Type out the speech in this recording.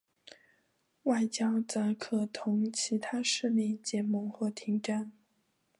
外交则可同其他势力结盟或停战。